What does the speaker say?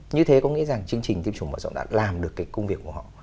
như thế có nghĩa rằng chương trình tiêm chủng mở rộng đã làm được cái công việc của họ